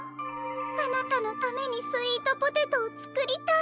あなたのためにスイートポテトをつくりたい。